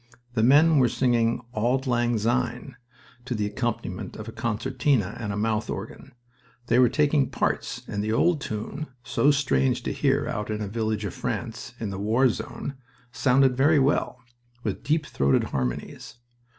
The men were singing "Auld Lang Syne" to the accompaniment of a concertina and a mouth organ. They were taking parts, and the old tune so strange to hear out in a village of France, in the war zone sounded very well, with deep throated harmonies.